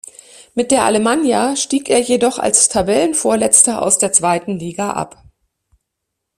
Mit der Alemannia stieg er jedoch als Tabellenvorletzter aus der Zweiten Liga ab.